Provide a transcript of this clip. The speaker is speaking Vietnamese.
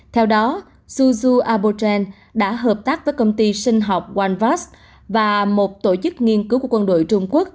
theo đó suzu abotren đã hợp tác với công ty sinh học onevax và một tổ chức nghiên cứu của quân đội trung quốc